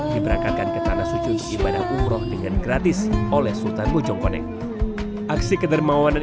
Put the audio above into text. diberangkatkan ke tanah suci ibadah umroh dengan gratis oleh sultan bojongkonek aksi kedermawanan